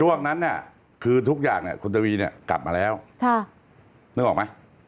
วันนั้นเนี่ยคือทุกอย่างเนี่ยคุณทวีเนี่ยกลับมาแล้วนึกออกไหม